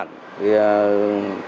thì chúng tôi cũng có